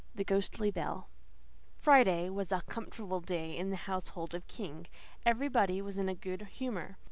THE GHOSTLY BELL Friday was a comfortable day in the household of King. Everybody was in good humour.